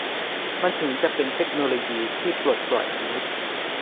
มันถึงจะเป็นเทคโนโลยีที่ปลดปล่อยมนุษย์